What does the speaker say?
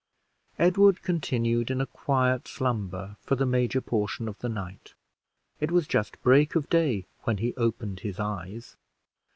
Edward continued in a quiet slumber for the major portion of the night. It was just break of day when he opened his eyes.